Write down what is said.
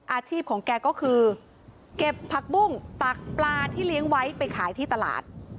อาชีพของแกก็คือเก็บผักบุ้งตักปลาที่เลี้ยงไว้ไปขายที่ตลาด